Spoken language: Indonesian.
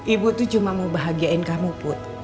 ibu tuh cuma mau bahagiain kamu put